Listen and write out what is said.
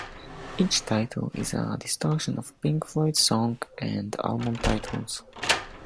Each title is a distortion of Pink Floyd song and album titles.